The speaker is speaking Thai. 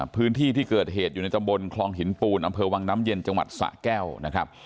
พื้นที่ที่เกิดเหตุอยู่ในตำบลคลองหินปูนอำเภอวังน้ำเย็นจังหวัดสะแก้วนะครับ